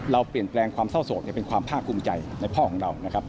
เราเปลี่ยนแปลงความเศร้าโศกเป็นความภาคภูมิใจในพ่อของเรานะครับ